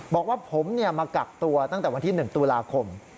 บอกว่าผมมากักตัวตั้งแต่วันที่๑ตุลาคม